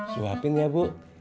suapin ya bu